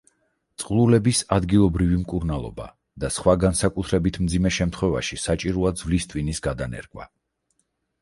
წყლულების ადგილობრივი მკურნალობა და სხვა განსაკუთრებით მძიმე შემთხვევაში საჭიროა ძვლის ტვინის გადანერგვა.